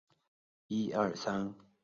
其中亦可能夹有少数汉语成分。